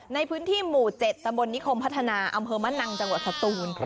ในพื้นที่หมู่๗ตำบลนิคมพัฒนาอำเภอมะนังจังหวัดสตูน